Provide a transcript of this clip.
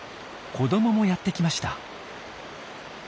子どももやってきました。